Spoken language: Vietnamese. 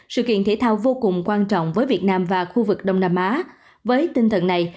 sự kiện thể thao vô cùng quan trọng với việt nam và khu vực đông nam á với tinh thần này